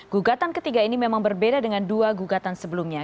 gugatan ketiga ini memang berbeda dengan dua gugatan sebelumnya